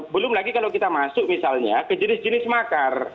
belum lagi kalau kita masuk misalnya ke jenis jenis makar